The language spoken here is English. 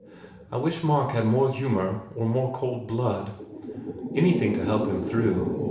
I wish Mark had more humour or more cold blood. Anything to help him through.